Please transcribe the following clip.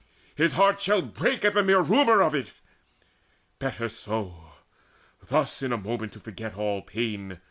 His heart shall break At the mere rumour of it. Better so, Thus in a moment to forget all pain.